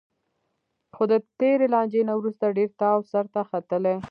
خو د تېرې لانجې نه وروسته ډېر تاو سرته ختلی